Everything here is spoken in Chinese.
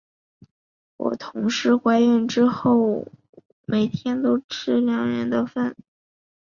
我同事怀孕之后，每天都吃两个人的份。